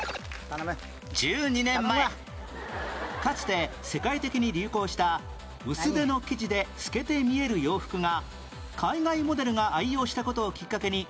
１２年前かつて世界的に流行した薄手の生地で透けて見える洋服が海外モデルが愛用した事をきっかけに再ブレーク